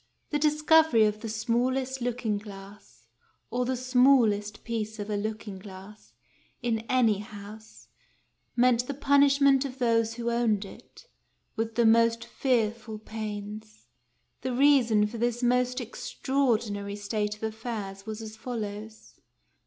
The discovery of the small est looking glass or the smallest piece of a looking glass in any house meant the punishment of those who owned it, with the most fearful pains. The reason for this most extraordinary state of affairs was as follows.